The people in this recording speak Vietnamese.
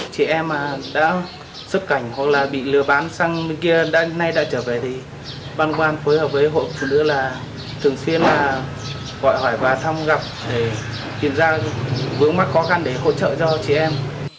chị em mà đã sức cảnh hoặc là bị lừa bán sang bên kia nay đã trở về thì văn quan phối hợp với hội phụ nữ là thường xuyên là gọi hỏi và thăm gặp để kiểm tra vướng mắt khó khăn để hỗ trợ cho chị em